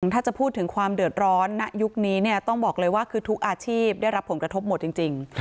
ถ้าจะพูดถึงความเดือดร้อนณยุคนี้ต้องบอกเลยว่าคือทุกอาชีพได้รับผลกระทบหมดจริง